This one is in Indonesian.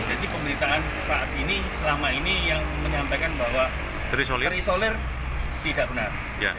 jadi pemerintahan selama ini yang menyampaikan bahwa terisolir tidak benar